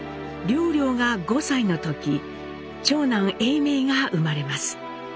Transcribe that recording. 良良が５歳の時長男永明が生まれます。